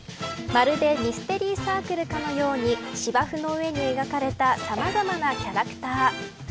まるでミステリー・サークルかのように芝生の上に描かれたさまざまなキャラクター。